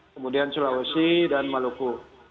kemudian sulawesi dan maluku